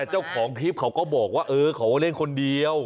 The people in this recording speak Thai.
แต่เจ้าของคลิปเขาก็บอกว่าเออเขาเล่นคนเดียว